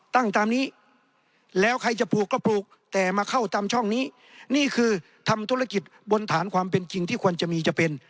ตามนี้แล้วใครจะปลูกก็ปลูกแต่มาเข้าตามช่องนี้นี่คือทำธุรกิจบนฐานความเป็นจริงที่ควรจะมีจะเป็น